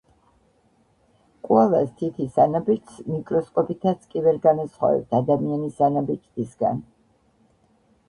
კოალას თითის ანაბეჭდს მიკროსკოპითაც კი ვერ განასხვავებთ ადამიანის ანაბეჭდისგან.